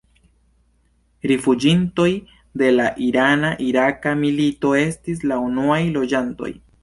Rifuĝintoj de la irana-iraka milito estis la unuaj loĝantoj.